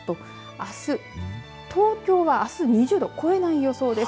あす東京は２０度を超えない予想です。